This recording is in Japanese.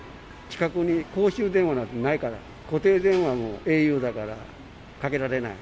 近くに公衆電話なんてないから、固定電話もａｕだからかけられない。